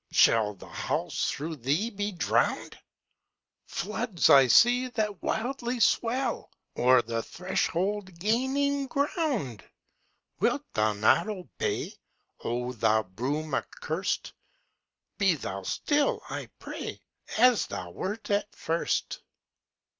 Shall the house through thee be drown'd Floods I see that wildly swell, O'er the threshold gaining ground. Wilt thou not obey, Oh, thou broom accurs'd? Be thou still I pray, As thou wert at first!